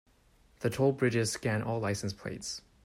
The toll bridges scan all license plates.